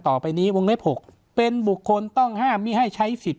ต่อไปนี้วงเล็บ๖เป็นบุคคลต้องห้ามไม่ให้ใช้สิทธิ